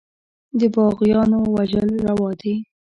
د باغيانو وژل روا دي.